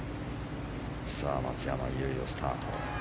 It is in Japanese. さあ、松山いよいよスタート。